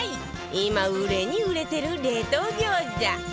今売れに売れてる冷凍餃子